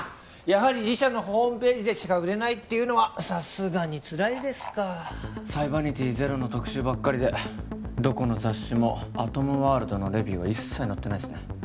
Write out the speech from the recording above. やはり自社のホームページでしか売れないっていうのはさすがにつらいですかサイバニティゼロの特集ばっかりでどこの雑誌もアトムワールドのレビューは一切載ってないっすね